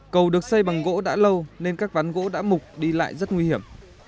cầu được xây bằng gỗ đã lâu nên các ván gỗ đã mục đi lại rất nguy hiểm